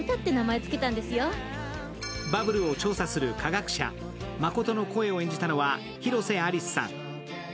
バブルを調査する科学者、マコトの声を演じたのは広瀬アリスさん。